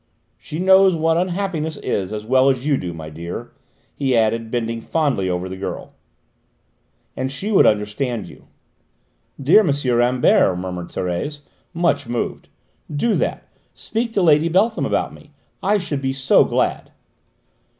She knows what unhappiness is as well as you do, my dear," he added, bending fondly over the girl, "and she would understand you." "Dear M. Rambert!" murmured Thérèse, much moved: "do that; speak to Lady Beltham about me; I should be so glad!"